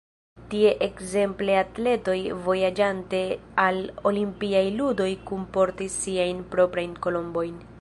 Tie ekzemple atletoj vojaĝante al olimpiaj ludoj kunportis siajn proprajn kolombojn.